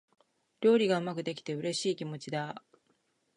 料理がうまくできて、嬉しい気持ちだ。